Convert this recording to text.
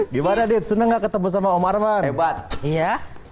gimana ditutup sama omar ebat iya